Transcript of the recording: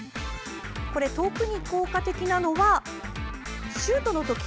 特に効果的なのはシュートのとき。